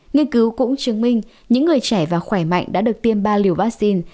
nghiên cứu cũng chứng minh những người trẻ và khỏe mạnh đã được tiêm ba liều vaccine